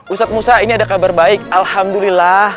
ustadz musa ini ada kabar baik alhamdulillah